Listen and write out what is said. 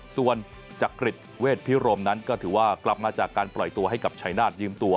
ส่วนจักริตเวทพิรมนั้นก็ถือว่ากลับมาจากการปล่อยตัวให้กับชายนาฏยืมตัว